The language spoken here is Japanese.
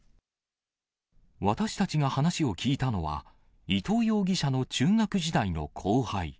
私たちが話を聞いたのは、伊藤容疑者の中学時代の後輩。